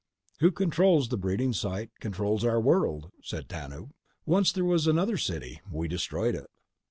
_ "Who controls the breeding sites controls our world," said Tanub. "Once there was another city. We destroyed it."